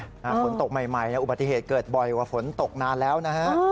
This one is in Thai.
ฝนตกใหม่อุบัติเหตุเกิดบ่อยกว่าฝนตกนานแล้วนะฮะ